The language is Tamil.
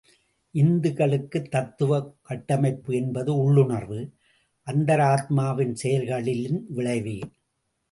இந்துக்களுக்கு தத்துவக் கட்டமைப்பு என்பது உள்ளுணர்வு, அந்தராத்மாவின் செயல்களின் விளைவே.